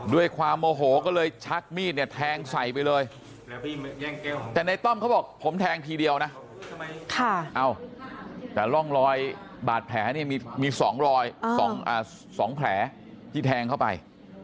ด้วยความโมโหก็เลยชักมีดเนี่ยแทงใส่ไปเลยแต่ในต้อมเขาบอกผมแทงทีเดียวนะแต่ร่องรอยบาดแผลนี่มี๒รอย๒แผลที่แทงเข้าไป